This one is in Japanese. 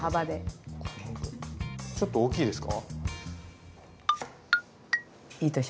ちょっと大きいですか？